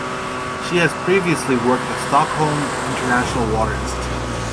She has previously worked at Stockholm International Water Institute.